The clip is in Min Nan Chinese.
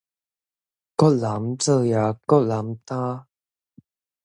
各人造業，各人擔